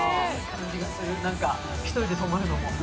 １人で泊まるのも。